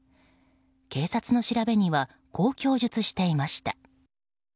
警察の調べにはこう供述していました。